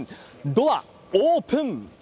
ドアオープン。